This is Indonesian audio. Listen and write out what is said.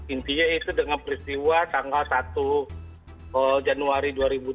intinya itu dengan peristiwa tanggal satu januari dua ribu dua puluh